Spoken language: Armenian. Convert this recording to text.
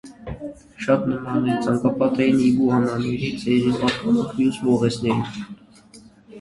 Շատ նման է ցանկապատային իգուանաների ցեղին պատկանող մյուս մողեսներին։